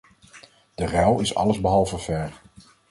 Die ruil is allesbehalve fair.